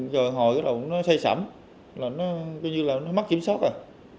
rồi hồi cái đầu nó say sẵm nó như là mất kiểm soát rồi